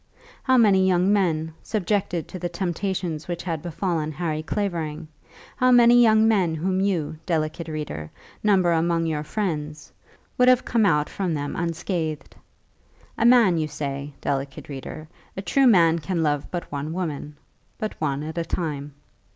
How many young men, subjected to the temptations which had befallen Harry Clavering, how many young men whom you, delicate reader, number among your friends, would have come out from them unscathed? A man, you say, delicate reader, a true man can love but one woman, but one at a time.